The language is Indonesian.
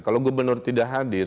kalau gubernur tidak hadir